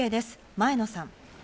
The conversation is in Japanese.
前野さん。